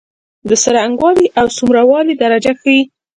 د څرنګوالی او څومره والي درجه ښيي.